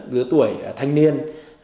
lứa tuổi thanh niên